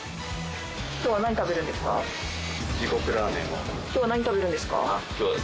今日は何食べるんですか？